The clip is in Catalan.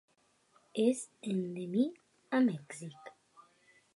És endèmic a Mèxic.